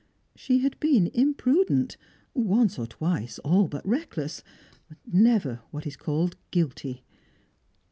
She had been imprudent, once or twice all but reckless, never what is called guilty.